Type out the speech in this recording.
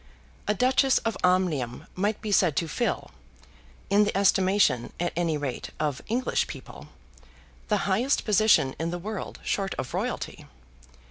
A Duchess of Omnium might be said to fill, in the estimation, at any rate, of English people, the highest position in the world short of royalty.